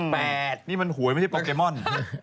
ไม่ได้นี่มันหวยไม่ใช่โปรเกมอน